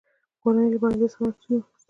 د کور له برنډې څخه مې عکسونه واخیستل.